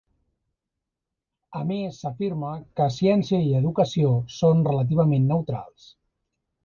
A més, s'afirma que ciència i educació són relativament neutrals.